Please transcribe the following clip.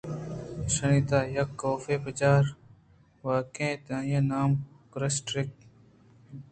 ایشانی تہا یکے کاف ءِ پجّاروکے اَت آئی ءِ نام گراسٹکیرGerstackerاَت